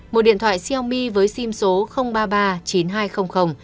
một điện thoại xiaomi với sim số ba trăm ba mươi chín nghìn hai trăm linh